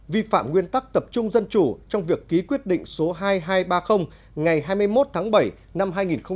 vi phạm nguyên tắc tập trung dân chủ trong việc ký quyết định số hai nghìn hai trăm ba mươi ngày hai mươi một tháng bảy năm hai nghìn một mươi chín